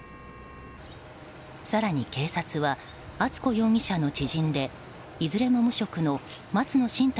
更に警察は敦子容疑者の知人でいずれも無職の松野新太